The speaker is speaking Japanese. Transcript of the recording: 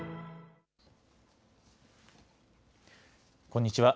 こんにちは。